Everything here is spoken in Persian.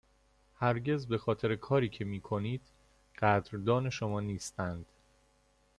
هرگز بخاطر کاری که می کنید قدردان شما نیستند.